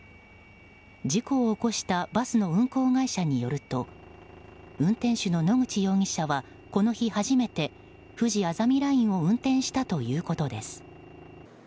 事故を起こしたバスの運行会社によると運転手の野口容疑者はこの日、初めてふじあざみラインを運転したということです。